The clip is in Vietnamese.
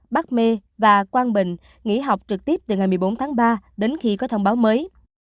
bắc mê và quang bình nghỉ học trực tiếp từ ngày một mươi bốn tháng ba đến khi có thông báo mới